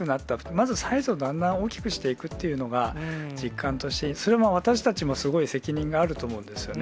まずサイズをだんだん大きくしていくということが、実感として、それは私たちもすごい責任があると思うんですよね。